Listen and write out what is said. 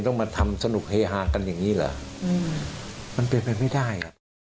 ต้องมาทำสนุกเฮฮากันอย่างนี้เหรอมันเป็นไปไม่ได้